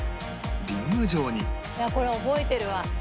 「これ覚えてるわ」